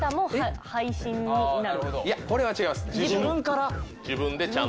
これは違います。